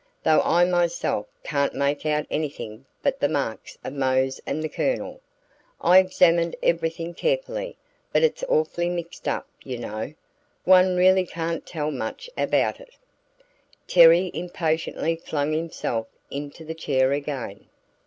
"Though I myself, can't make out anything but the marks of Mose and the Colonel. I examined everything carefully, but it's awfully mixed up, you know. One really can't tell much about it." Terry impatiently flung himself into the chair again.